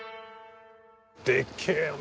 でけえな。